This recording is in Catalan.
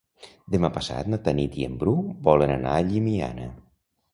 Demà passat na Tanit i en Bru volen anar a Llimiana.